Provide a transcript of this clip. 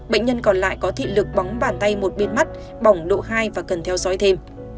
bệnh nhân còn lại có thị lực bóng bàn tay một bên mắt bỏng độ hai và cần theo dõi thêm